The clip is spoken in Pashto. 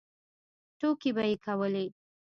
ټوکې به یې کولې.